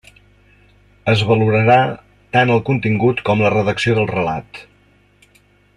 Es valorarà tant el contingut com la redacció del relat.